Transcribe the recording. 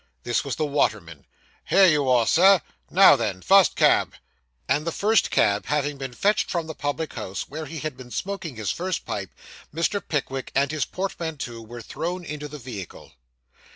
This was the waterman. 'Here you are, sir. Now, then, fust cab!' And the first cab having been fetched from the public house, where he had been smoking his first pipe, Mr. Pickwick and his portmanteau were thrown into the vehicle.